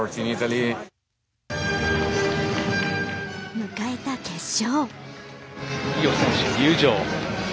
迎えた決勝。